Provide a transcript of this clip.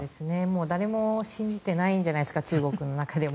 誰も信じていないんじゃないですか中国の中でも。